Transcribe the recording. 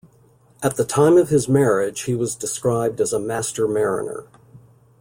At the time of his marriage he was described as a master mariner.